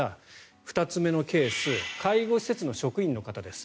２つ目のケース介護施設の職員の方です。